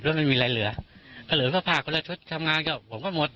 แล้วมันมีอะไรเหลือถ้าเหลือก็พาคนละชุดทำงานเกี่ยวผมก็หมด